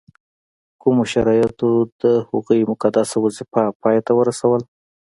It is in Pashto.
کومو شرایطو د هغوی مقدسه وظیفه پای ته ورسول.